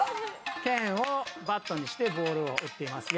けんをバットにしてボールを打っています。